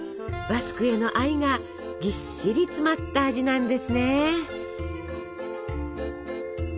バスクへの愛がぎっしり詰まった味なんですね。